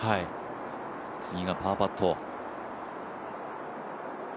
次がパーパット。